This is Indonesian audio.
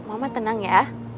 mama tenang ya